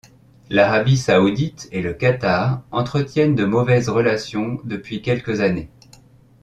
L'Arabie saoudite et le Qatar entretiennent de mauvaises relations depuis quelques années.